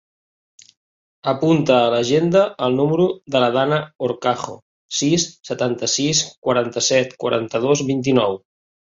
Apunta a l'agenda el número de la Dana Horcajo: sis, setanta-sis, quaranta-set, quaranta-dos, vint-i-nou.